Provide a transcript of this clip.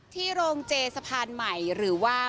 โรงเจสะพานใหม่หรือว่า